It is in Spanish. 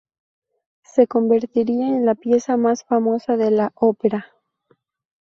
Se convertiría en la pieza más famosa de la ópera.